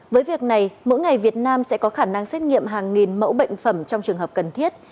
với việc này mỗi ngày việt nam sẽ có khả năng xét nghiệm hàng nghìn mẫu bệnh phẩm trong trường hợp cần thiết